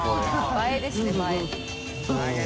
映えですね映え。